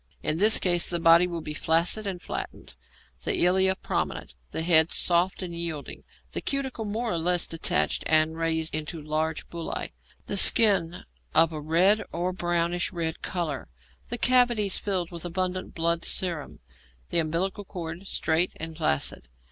In this case the body will be flaccid and flattened; the ilia prominent; the head soft and yielding; the cuticle more or less detached, and raised into large bullæ; the skin of a red or brownish red colour; the cavities filled with abundant bloody serum; the umbilical cord straight and flaccid.